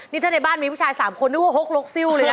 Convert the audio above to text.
นี่ถ้าในบ้านมีผู้ชาย๓คนนึกว่าฮกลกซิลเลยนะ